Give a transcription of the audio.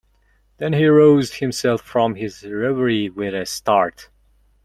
Then he roused himself from his reverie with a start.